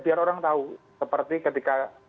biar orang tahu seperti ketika